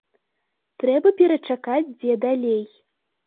Трэба перачакаць дзе далей.